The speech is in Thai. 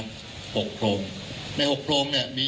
คุณผู้ชมไปฟังผู้ว่ารัฐกาลจังหวัดเชียงรายแถลงตอนนี้ค่ะ